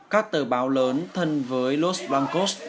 các tờ báo lớn thân với los blancos